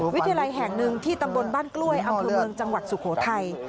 วิทยาลัยแห่งหนึ่งที่ตำบลบ้านกล้วยอำเภอเมืองจังหวัดสุโขทัย